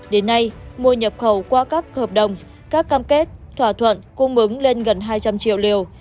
đến nay mua nhập khẩu qua các hợp đồng các cam kết thỏa thuận cung ứng lên gần hai trăm linh triệu liều